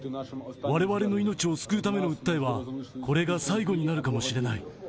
われわれの命を救うための訴えは、これが最後になるかもしれない。